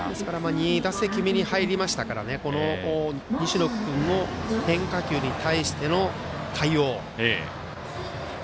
２打席目に入りましたからこの西野君の変化球に対しての対応。